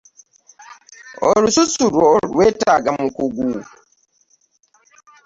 Olususu lwo lwetaaga mukugu.